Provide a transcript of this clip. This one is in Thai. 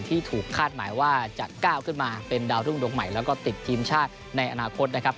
ที่ถูกคาดหมายว่าจะก้าวขึ้นมาเป็นดาวรุ่งดวงใหม่แล้วก็ติดทีมชาติในอนาคตนะครับ